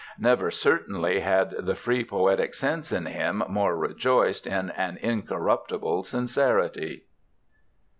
Never certainly had the free poetic sense in him more rejoiced in an incorruptible sincerity.